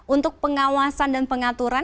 untuk pengawasan dan pengaturan